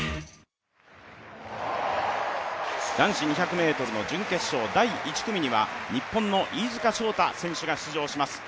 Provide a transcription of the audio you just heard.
男子２００ｍの準決勝、第１組には日本の飯塚翔太選手が出場します。